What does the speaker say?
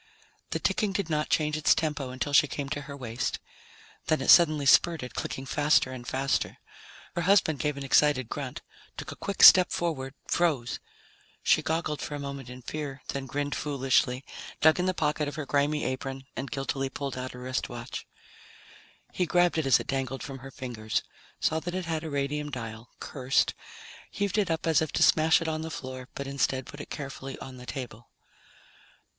The ticking did not change its tempo until she came to her waist. Then it suddenly spurted, clicking faster and faster. Her husband gave an excited grunt, took a quick step forward, froze. She goggled for a moment in fear, then grinned foolishly, dug in the pocket of her grimy apron and guiltily pulled out a wristwatch. He grabbed it as it dangled from her fingers, saw that it had a radium dial, cursed, heaved it up as if to smash it on the floor, but instead put it carefully on the table.